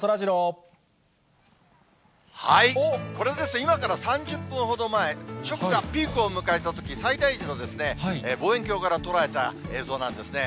今から３０分ほど前、食がピークを迎えたとき、最大時の望遠鏡から捉えた映像なんですね。